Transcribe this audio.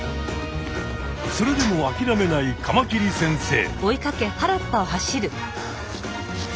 それでもあきらめないカマキリ先生。